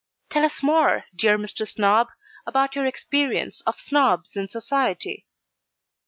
'Tell us more, dear Mr. Snob, about your experience of Snobs in society.'